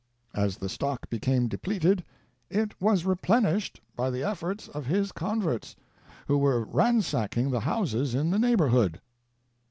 As the stock became depleted it was replenished by the efforts of his converts, who were ransacking the houses in the neighborhood."